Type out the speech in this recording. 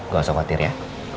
gak usah khawatir ya